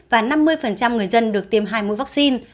và năm mươi người dân được tiêm hai mũi vaccine